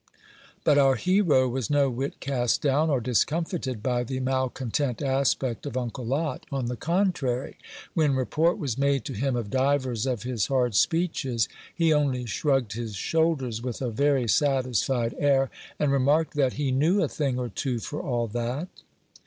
But our hero was no whit cast down or discomfited by the malcontent aspect of Uncle Lot. On the contrary, when report was made to him of divers of his hard speeches, he only shrugged his shoulders, with a very satisfied air, and remarked that "he knew a thing or two for all that."